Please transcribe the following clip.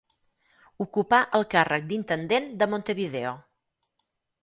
Ocupà el càrrec d'Intendent de Montevideo.